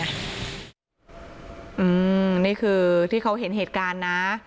นี่คือที่เขาเห็นเหตุการณ์นะ